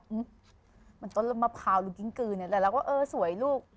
เหมือนต้นมะพร้าวลูกกิ้งกลืนแต่เราก็เออสวยลูก